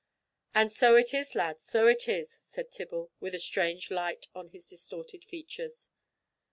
"And so it is, lad, so it is," said Tibble, with a strange light on his distorted features.